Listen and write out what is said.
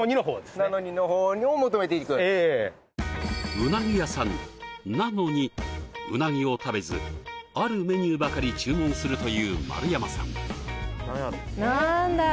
うなぎ屋さんなのにうなぎを食べずあるメニューばかり注文するという丸山さん